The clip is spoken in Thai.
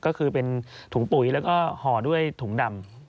ก็คือเป็นถุงปุ๋ยแล้วก็ห่อด้วยถุงดำ